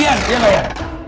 iya gak ya